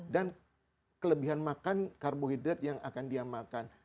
dan kelebihan makan karbohidrat yang akan dia makan